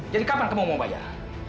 jadi kapan kamu mau bayar